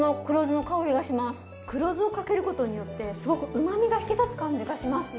黒酢をかけることによってすごくうまみが引き立つ感じがしますね。